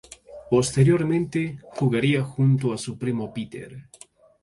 Posteriormente jugaría junto a su primo Peter.